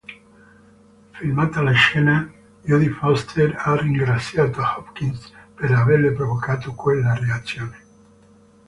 Filmata la scena, Jodie Foster ha ringraziato Hopkins per averle provocato quella reazione.